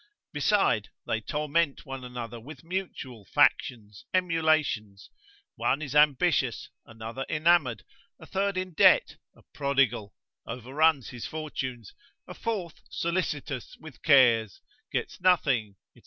Beside, they torment one another with mutual factions, emulations: one is ambitious, another enamoured, a third in debt, a prodigal, overruns his fortunes, a fourth solicitous with cares, gets nothing, &c.